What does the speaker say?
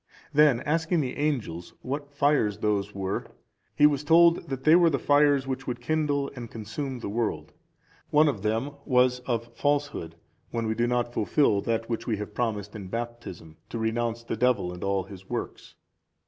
Then asking the angels, what fires those were, he was told, they were the fires which would kindle and consume the world. One of them was of falsehood, when we do not fulfil that which we promised in Baptism, to renounce the Devil and all his works.